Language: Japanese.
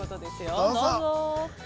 ◆どうぞ。